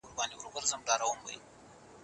له اهليت څخه عقل، بلوغ او رشد مراد دي.